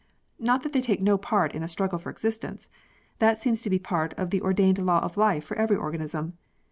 Not that they take no part in a struggle for existence. That seems to be part of the ordained law of life for every organism.